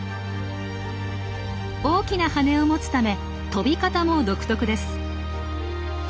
大きな羽を持つため飛び方も独特です。